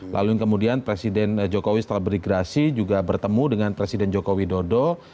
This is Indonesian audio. lalu kemudian presiden jokowi setelah berigrasi juga bertemu dengan presiden joko widodo